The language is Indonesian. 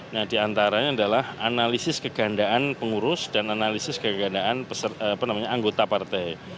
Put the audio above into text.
nah diantaranya adalah analisis kegandaan pengurus dan analisis kegandaan anggota partai